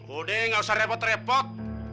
udah gak usah repot repot